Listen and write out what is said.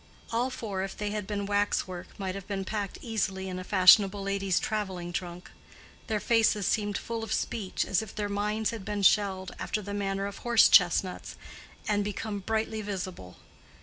All four, if they had been wax work, might have been packed easily in a fashionable lady's traveling trunk. Their faces seemed full of speech, as if their minds had been shelled, after the manner of horse chestnuts, and become brightly visible.